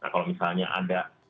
kalau misalnya ada